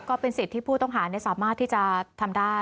ก็เป็นสิทธิ์ที่ผู้ต้องหาสามารถที่จะทำได้